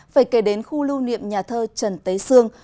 phải kể đến khu lưu niệm nhà thơ trần tế sương